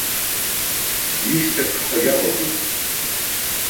Ишьҭахьҟа иавакуп.